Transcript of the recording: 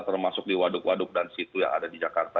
termasuk di waduk waduk dan situ yang ada di jakarta